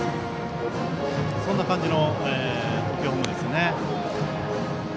そんな感じのフォームですね。